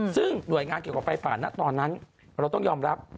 ซึ่งหน่วยงานเกี่ยวกับไฟป่านะตอนนั้นเราต้องยอมรับ